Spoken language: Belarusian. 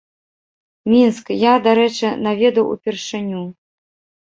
Мінск, я, дарэчы, наведаў упершыню.